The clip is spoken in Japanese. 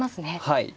はい。